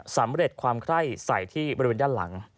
สำเร็จความไคร้ใส่ที่บริเวณด้านหลัง